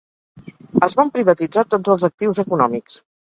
Es van privatitzar tots els actius econòmics.